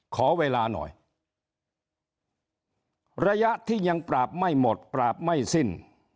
ขอเวลาหน่อยระยะที่ยังปราบไม่หมดปราบไม่สิ้น